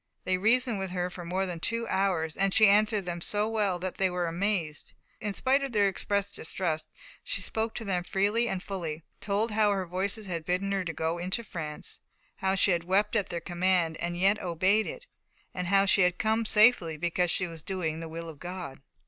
They reasoned with her for more than two hours, and she answered them so well that they were amazed. In spite of their expressed distrust, she spoke to them freely and fully, told how her voices had bidden her go into France, how she had wept at their command and yet obeyed it, how she had come safely, because she was doing the will of God.